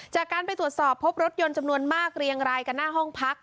จากการไปตรวจสอบพบรถยนต์จำนวนมากเรียงรายกันหน้าห้องพัก